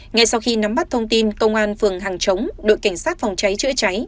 ngay sau khi nắm bắt thông tin công an phường hàng chống đội cảnh sát phòng cháy chữa cháy